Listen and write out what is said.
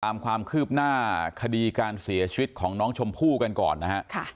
ตามความคืบหน้าคดีการเสียชีวิตของน้องชมพู่กันก่อนนะฮะ